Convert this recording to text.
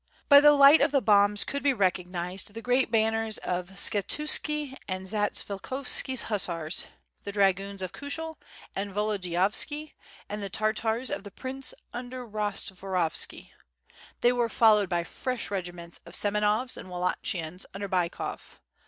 By the light of the bombs could be recognized the great banners of Skshetuski's and Zatsvilikhovski's hussars, the dragoons of Ku^hel and Volodiyovski and the Tartars of the prince under Rostvor ovski. They were followed by fresh regiments of Semenovs and Wallachians under Bychov.